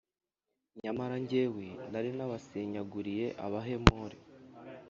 Nyamara jyewe nari nabasenyaguriye Abahemori,